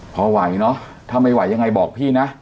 พอไหวเนอะถ้าไม่ไหวยังไงบอกพี่นะ